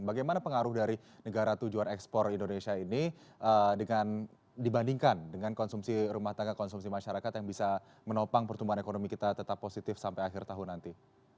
bagaimana pengaruh dari negara tujuan ekspor indonesia ini dibandingkan dengan konsumsi rumah tangga konsumsi masyarakat yang bisa menopang pertumbuhan ekonomi kita tetap positif sampai akhir tahun nanti